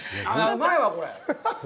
うまいわ、これ。